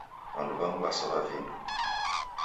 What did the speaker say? W'andu w'amu w'asow'a vindo.